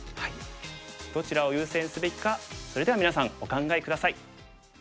どちらを優先すべきかそれではみなさんお考え下さい。